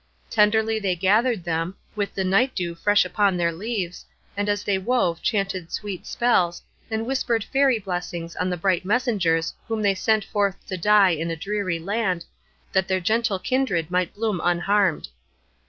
Tenderly they gathered them, with the night dew fresh upon their leaves, and as they wove chanted sweet spells, and whispered fairy blessings on the bright messengers whom they sent forth to die in a dreary land, that their gentle kindred might bloom unharmed.